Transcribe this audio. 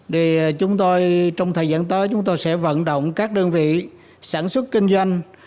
thì chúng tôi trong thời gian tới chúng tôi sẽ vận động các đơn vị sản xuất kinh doanh